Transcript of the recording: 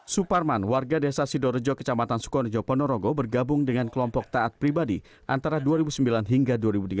suparman warga desa sidorejo kecamatan sukorejo ponorogo bergabung dengan kelompok taat pribadi antara dua ribu sembilan hingga dua ribu tiga belas